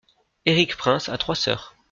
Erik Prince a trois sœurs.